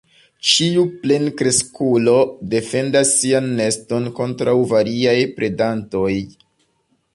Ĉiu plenkreskulo defendas sian neston kontraŭ variaj predantoj.